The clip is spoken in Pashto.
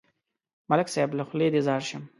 ملک صاحب، له خولې دې ځار شم.